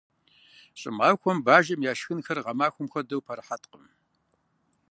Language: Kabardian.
ЩӀымахуэм бажэхэм я шхыныр гъэмахуэм хуэдэу пэрыхьэткъым.